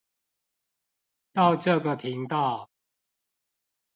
到這個頻道